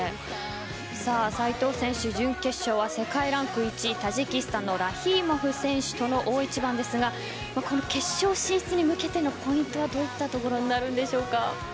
斉藤選手、準決勝は世界ランク１位タジキスタンのラヒーモフ選手との大一番ですが決勝進出に向けてのポイントはどういったところですか。